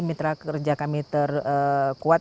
mitra kerja kami terkuat